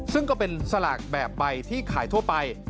ซึ่งก็เป็นสลากแบบใบที่ขายทั่วไป